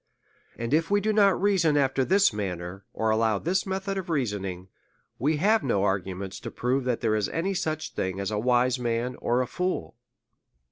And if we do not reason after this manner, or allow this method of reasoning, we have no arguments to prove, that there is any such thing as a wise man, or a fool.